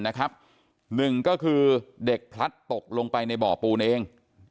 ๑เด็กพัดตกลงไปในบ่อปูนเอง